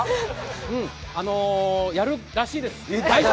うん、やるらしいです。